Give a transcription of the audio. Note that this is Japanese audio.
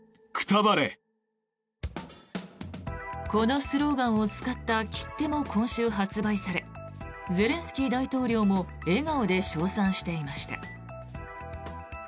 このスローガンを使った切手も今週、発売されゼレンスキー大統領も笑顔で称賛していました。